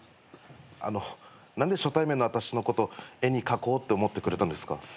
あの何で初対面のあたしのこと絵に描こうって思ってくれたんですか？